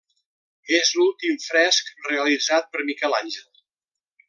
És l'últim fresc realitzat per Miquel Àngel.